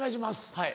はい。